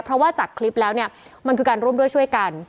เพราะว่าจากคลิปแล้วเนี่ยมันคือการร่วมด้วยช่วยกัน